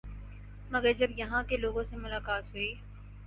مگر جب یہاں کے لوگوں سے ملاقات ہوئی